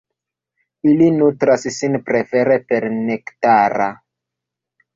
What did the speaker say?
Ili nutras sin prefere per nektaro.